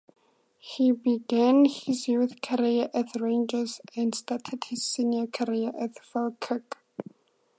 He began his youth career at Rangers and started his senior career at Falkirk.